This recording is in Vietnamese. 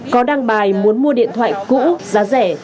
có đăng bài muốn mua điện thoại cũ giá rẻ